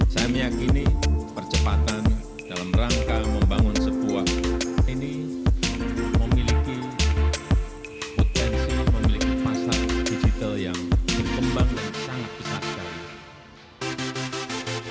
saya meyakini percepatan dalam rangka membangun sebuah ini memiliki potensi memiliki pasar digital yang berkembang dan sangat besar sekali